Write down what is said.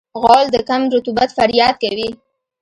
غول د کم رطوبت فریاد کوي.